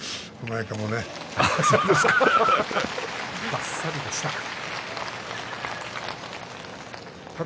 ばっさりでした。